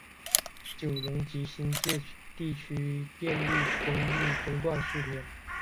九龙及新界地区电力供应中断数天。